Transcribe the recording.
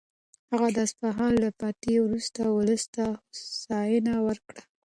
هغه د اصفهان له فتحې وروسته ولس ته هوساینه ورکړه.